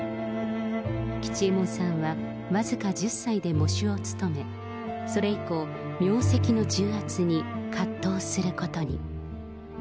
吉右衛門さんは、僅か１０歳で喪主を務め、それ以降、名跡の重圧に葛藤することに。